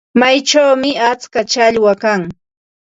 Mayuchawmi atska challwa kan.